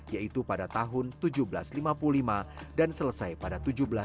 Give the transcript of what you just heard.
yaitu pada tahun seribu tujuh ratus lima puluh lima dan selesai pada seribu tujuh ratus tujuh puluh tiga